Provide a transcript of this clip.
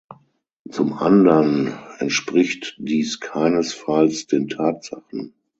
Zum andern entspricht dies keinesfalls den Tatsachen.